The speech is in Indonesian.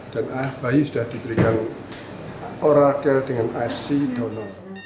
dan bayi sudah diberikan oral care dengan asi dono